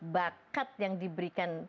bakat yang diberikan